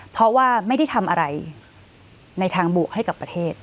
เพราะว่าไม่ได้ทำอะไรในทางบวกให้กับประเทศ